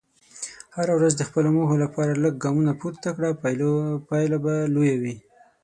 هره ورځ د خپلو موخو لپاره لږ ګامونه پورته کړه، پایله به لویه وي.